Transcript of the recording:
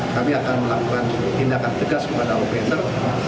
kami akan melakukan tindakan tegas kepada operator